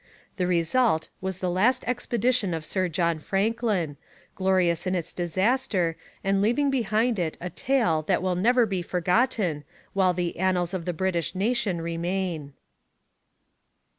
The result was the last expedition of Sir John Franklin, glorious in its disaster, and leaving behind it a tale that will never be forgotten while the annals of the British nation remain.